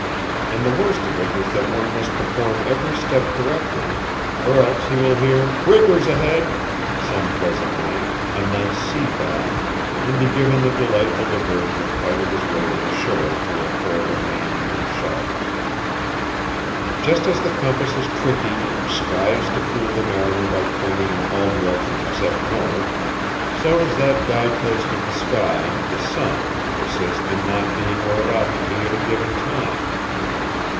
And the worst of it is that one must perform every step correctly or else he will hear "Breakers ahead!" some pleasant night, a nice sea bath, and be given the delightful diversion of fighting his way to the shore through a horde of man eating sharks. Just as the compass is tricky and strives to fool the mariner by pointing in all directions except north, so does that guide post of the sky, the sun, persist in not being where it ought to be at a given time.